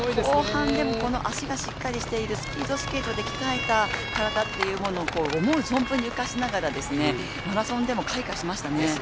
後半でも足がしっかりしているスピードスケートで鍛えた体というものを思う存分に浮かしながらマラソンでも開花しましたね。